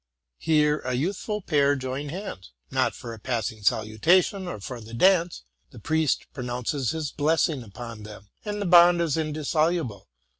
Here a youthful pair join hands, not for a passing saluta tion or for the dance: the priest pronounces his blessing upon them, and the bond is indissoluble.